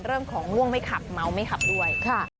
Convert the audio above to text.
เรื่องของง่วงไม่ขับเมาไม่ขับด้วย